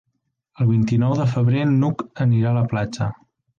El vint-i-nou de febrer n'Hug anirà a la platja.